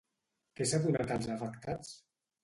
Què s'ha donat als afectats?